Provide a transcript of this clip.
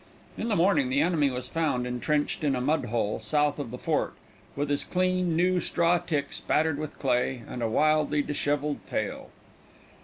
In the morning the enemy was found intrenched in a mud hole, south of the fort, with his clean new straw tick spattered with clay, and a wildly disheveled tail.